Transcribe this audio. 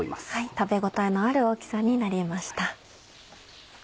食べ応えのある大きさになりました。